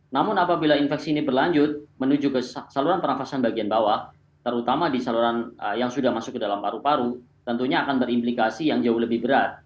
namun apabila infeksi ini berlanjut menuju ke saluran pernafasan bagian bawah terutama di saluran yang sudah masuk ke dalam paru paru tentunya akan berimplikasi yang jauh lebih berat